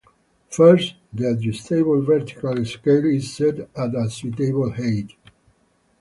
First the adjustable vertical scale is set at a suitable height.